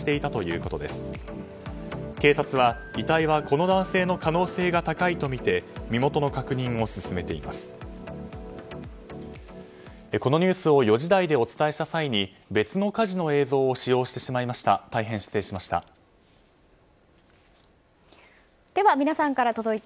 このニュースを４時台でお知らせした際に別の火事の映像を使用してしまいました。